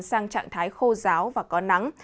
sang trạng thái khô giáo và có nắng